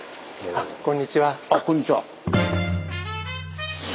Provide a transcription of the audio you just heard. あっこんにちは。